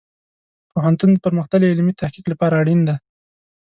پوهنتون د پرمختللې علمي تحقیق لپاره اړین دی.